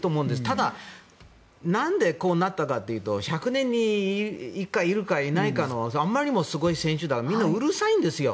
ただ、何でこうなったかというと１００年に１回いるかいないかのあまりにもすごい選手だからみんなうるさいんですよ。